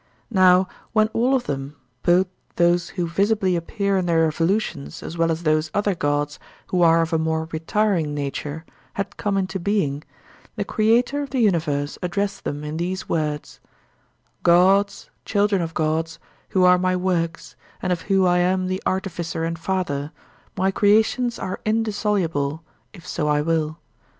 Now, when all of them, both those who visibly appear in their revolutions as well as those other gods who are of a more retiring nature, had come into being, the creator of the universe addressed them in these words: 'Gods, children of gods, who are my works, and of whom I am the artificer and father, my creations are indissoluble, if so I will.